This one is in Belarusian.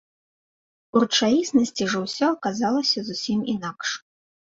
У рэчаіснасці жа ўсё аказалася зусім інакш.